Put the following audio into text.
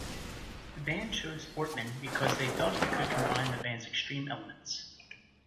The band chose Fortman because they felt he could combine the band's extreme elements.